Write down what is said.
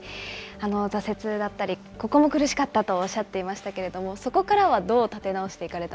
挫折だったり、ここも苦しかったとおっしゃってましたけれども、そこからはどう立て直していかれ